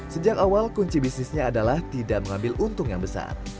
sejak awal kunci bisnisnya adalah tidak mengambil untung yang besar